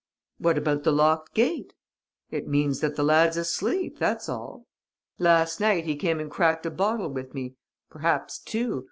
"What about the locked gate?" "It means that the lad's asleep, that's all. Last night, he came and cracked a bottle with me ... perhaps two